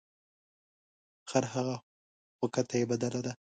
خرهغه خو کته یې بدله ده .